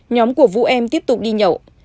nhóm của vũ em tiếp tục đi nhậu